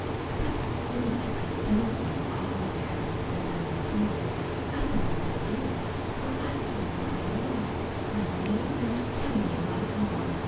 But even if I don't know all of what's happened since I was born, I know a good deal, for I've seen quite a lot, and I've made Nurse tell me a lot more.